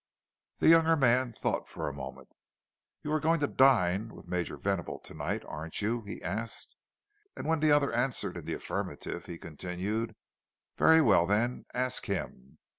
The younger man thought for a moment. "You are going to dine with Major Venable to night, aren't you?" he asked; and when the other answered in the affirmative, he continued, "Very well, then, ask him.